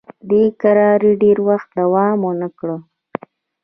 دې کراري ډېر وخت دوام ونه کړ.